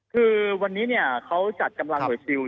คือวันนี้เขาจัดกำลังเฮอร์ฟิลล์